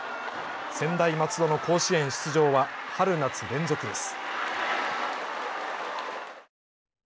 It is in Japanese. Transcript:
専大松戸の甲子園出場は春夏連続です。